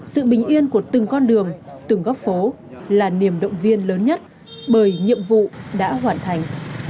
sự bình yên của từng con đường từng góc phố là niềm động viên lớn nhất bởi nhiệm vụ đã hoàn thành